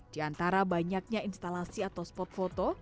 di antara banyaknya instalasi atau spot foto